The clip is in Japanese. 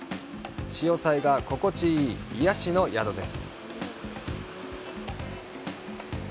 潮さいが心地いい癒やしの宿です。